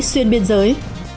xuyên biên giới